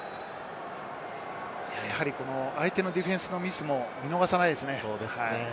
相手のディフェンスのミスも見逃さないですね。